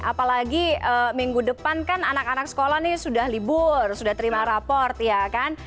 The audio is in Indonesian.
apalagi minggu depan kan anak anak sekolah nih sudah libur sudah terima raport ya kan